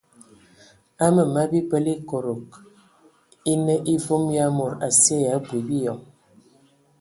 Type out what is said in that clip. Aməmama bibələ ekodog e nə evom ya mod asye ya abui biyɔŋ.